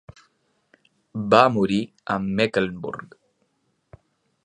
Va morir a Mecklenburg.